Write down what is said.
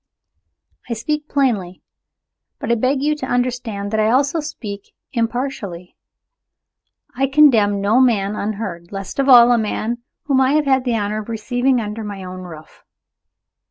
I speak plainly, but I beg you to understand that I also speak impartially. I condemn no man unheard least of all, a man whom I have had the honor of receiving under my own roof."